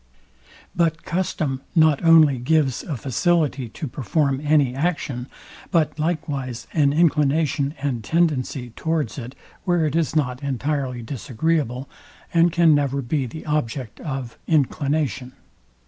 But custom not only gives a facility to perform any action, but likewise an inclination and tendency towards it, where it is not entirely disagreeable, and can never be the object of inclination.